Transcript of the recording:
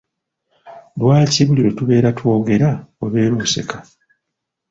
Lwaki buli lwe tubeera twogera obeera oseka?